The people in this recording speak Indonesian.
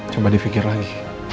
coba difikir lagi